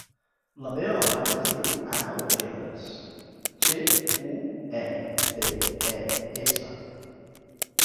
La meva mare es diu Àneu Guedes: ge, u, e, de, e, essa.